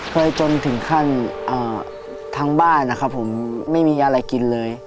จนถึงขั้นทั้งบ้านนะครับผมไม่มีอะไรกินเลย